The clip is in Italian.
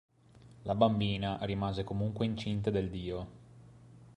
La bambina rimase comunque incinta del Dio.